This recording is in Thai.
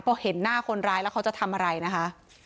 พอเห็นหน้าคนร้ายแล้วเขาจะทำอะไรนะคะ